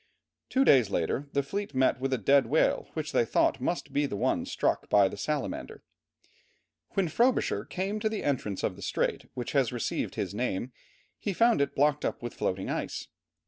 Two days later, the fleet met with a dead whale which they thought must be the one struck by the Salamander. When Frobisher came to the entrance of the strait which has received his name, he found it blocked up with floating ice.